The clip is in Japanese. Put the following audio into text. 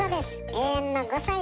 永遠の５さいです。